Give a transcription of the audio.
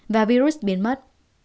và virus biến mất